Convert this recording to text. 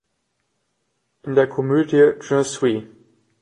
In der Komödie "J’en suis!